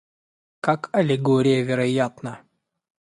как аллегория вероятна.